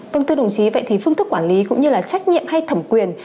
tương tư đồng chí vậy thì phương thức quản lý cũng như là trách nhiệm hay thẩm quyền